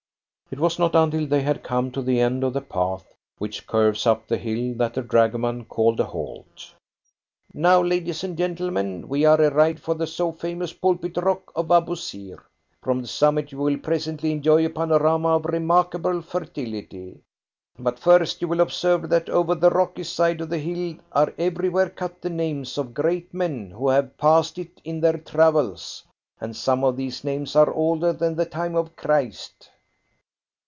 It was not until they had come to the end of the path which curves up the hill that the dragoman called a halt. "Now, ladies and gentlemen, we are arrived for the so famous pulpit rock of Abousir. From the summit you will presently enjoy a panorama of remarkable fertility. But first you will observe that over the rocky side of the hill are everywhere cut the names of great men who have passed it in their travels, and some of these names are older than the time of Christ."